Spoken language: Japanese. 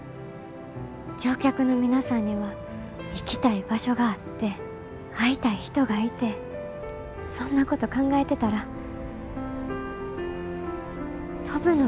乗客の皆さんには行きたい場所があって会いたい人がいてそんなこと考えてたら飛ぶのが楽しくなってきました。